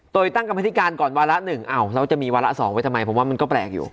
ตัวตั้งกรรมนิษฐการก่อนวาระ๑เราจะมีวาระ๒ไว้ทำไมผมว่ามันก็แปลกอยู่